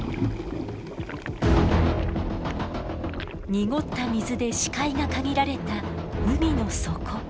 濁った水で視界が限られた海の底。